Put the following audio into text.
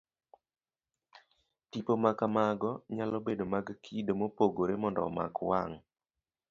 Tipo ma kamago nyalobedo mag kido mopogore mondo omak wang'.